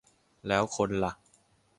แล้วคนล่ะ